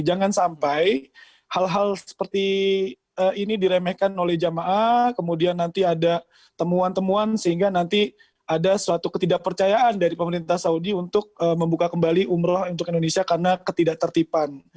jangan sampai hal hal seperti ini diremehkan oleh jamaah kemudian nanti ada temuan temuan sehingga nanti ada suatu ketidakpercayaan dari pemerintah saudi untuk membuka kembali umroh untuk indonesia karena ketidak tertipan